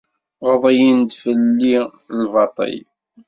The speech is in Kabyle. Ɣeḍlen-d fell-i lbaṭel.